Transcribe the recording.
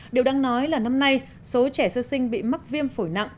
điều đang nói là năm nay số trẻ sơ sinh bị mắc viêm phổi nặng